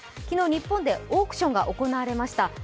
昨日、日本でオークションが行われました。